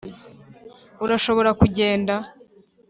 urashobora kugenda